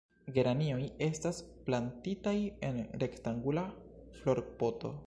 Geranioj estas plantitaj en rektangula florpoto.